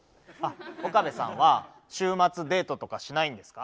岡部さんは週末デートとかしないんですか？